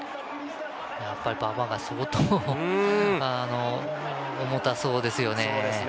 馬場が相当重たそうですよね。